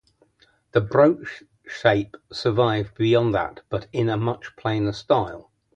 The brooch shape survived beyond that, but in a much plainer style.